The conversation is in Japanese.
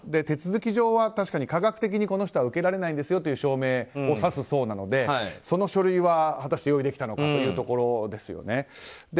手続き上は確かに科学的に受けられないんですよとその証明を指すそうなのでその書類は果たして用意できたのかというところですね。